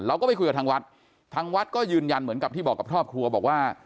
เราก็ไปคุยกับทางวัดทางวัดก็ยืนยันเหมือนกับที่บอกกับครอบครัวบอกว่า